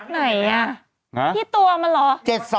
ไหนอ่ะที่ตัวมันเหรอ